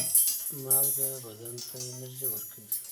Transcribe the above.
مالګه بدن ته انرژي ورکوي.